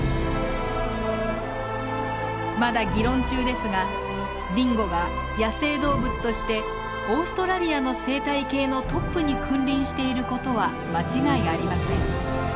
まだ議論中ですがディンゴが野生動物としてオーストラリアの生態系のトップに君臨している事は間違いありません。